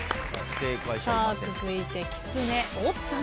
続いてきつね大津さん。